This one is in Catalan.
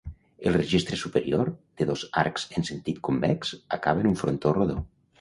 El registre superior, de dos arcs en sentit convex, acaba en un frontó rodó.